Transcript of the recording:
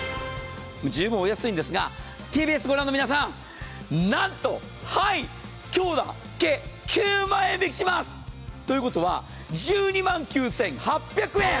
十分お安いんですがＴＢＳをご覧の皆さん、なんと、今日だけ９万円引きします！ということは１２万９８００円！